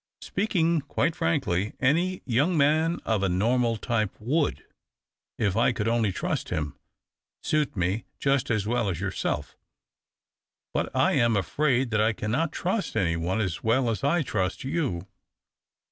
Speak ing quite frankly, any young man of a normal type would, if I could only trust him, suit me just as well as yourself. But I am afraid that T cannot trust any one as well as I trust you.